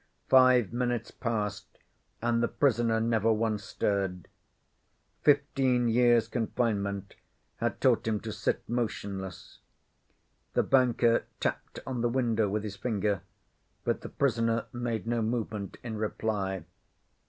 Five minutes passed and the prisoner never once stirred. Fifteen years' confinement had taught him to sit motionless. The banker tapped on the window with his finger, but the prisoner made no movement in reply.